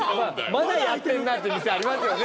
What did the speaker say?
まだやってんなって店ありますよね。